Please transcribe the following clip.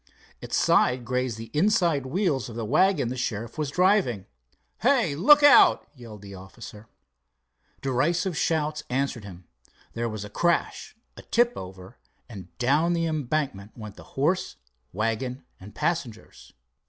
Its side grazed the inside wheels of the wagon the sheriff was driving. "Hey, look out!" yelled the officer. Derisive shouts answered him. There was a crash, a tip over, and down the embankment went horse, wagon and passengers.